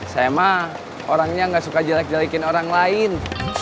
saya mah orangnya gak suka jelek jelekin orang lain